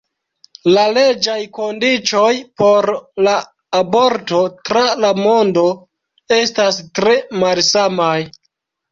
La leĝaj kondiĉoj por la aborto tra la mondo estas tre malsamaj.